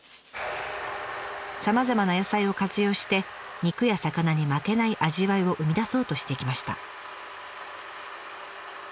さまざまな野菜を活用して肉や魚に負けない味わいを生み出そうとしてきました。